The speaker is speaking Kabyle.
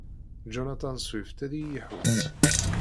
Jonathan Swift ad iyi-iḥudd.